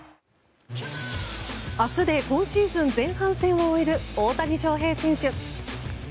明日で今シーズン前半戦を終える大谷翔平選手。